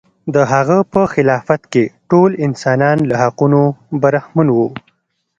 د هغه په خلافت کې ټول انسانان له حقونو برخمن و.